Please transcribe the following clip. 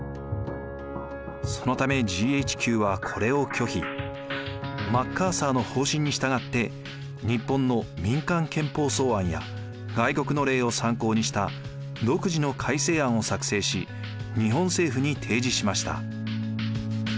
そのためマッカーサーの方針に従って日本の民間憲法草案や外国の例を参考にした独自の改正案を作成し日本政府に提示しました。